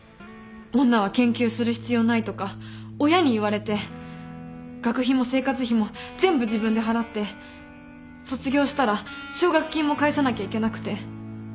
女は研究する必要ないとか親に言われて学費も生活費も全部自分で払って卒業したら奨学金も返さなきゃいけなくて。